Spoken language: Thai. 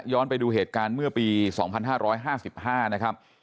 ไปดูเหตุการณ์เมื่อปี๒๕๕๕นะครับ